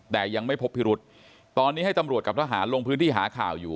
แต่ยังไม่พบพิรุษตอนนี้ให้ตำรวจกับทหารลงพื้นที่หาข่าวอยู่